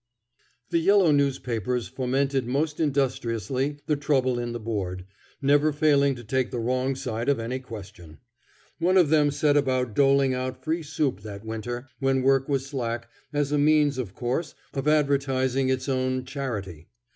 The yellow newspapers fomented most industriously the trouble in the Board, never failing to take the wrong side of any question. One of them set about doling out free soup that winter, when work was slack, as a means, of course, of advertising its own "charity."